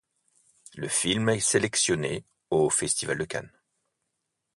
Le film est sélectionné au Festival de Cannes.